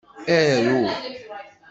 Aru!